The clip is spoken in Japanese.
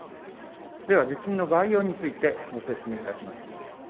では、地震の概要についてご説明いたします。